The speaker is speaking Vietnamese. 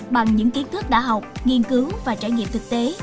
bằng những kiến thức đã học nghiên cứu và trải nghiệm thực tế